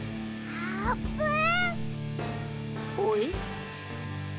あーぷん。